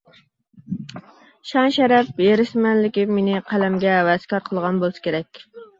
شان-شەرەپ ھېرىسمەنلىكى مېنى قەلەمگە ھەۋەسكار قىلغان بولسا كېرەك.